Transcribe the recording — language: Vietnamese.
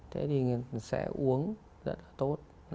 thế thì sẽ uống rất là tốt